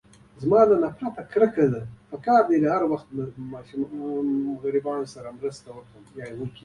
زه د غربت نه کرکه کوم .همیشه باید غریبانانو سره مرسته وکړو